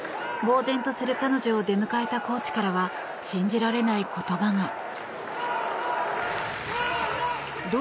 ぼうぜんとする彼女を出迎えたコーチからは信じられない言葉が。